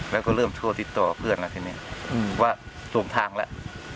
แล้วก็เริ่มโทรติดต่อเพื่อนแล้วทีนี้ว่าถูกทางแล้ว